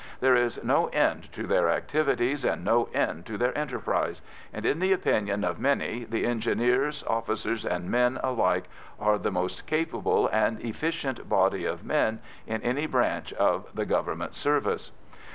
There is no end to their activities, and no end to their enterprise, and in the opinion of many the Engineers, officers and men alike, are the most capable and efficient body of men in any branch of the Government service.